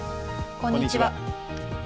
こんにちは。